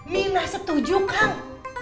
minah setuju kang